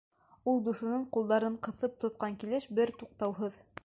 Ул дуҫының ҡулдарын ҡыҫып тотҡан килеш бер туҡтауһыҙ: